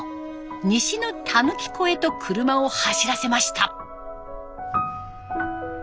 西の田貫湖へと車を走らせました。